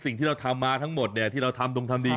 สิ่งที่เราทำมาทั้งหมดเนี่ยที่เราทำดวงธรรมดี